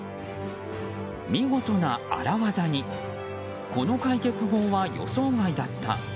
見事な荒業にこの解決法は、予想外だった。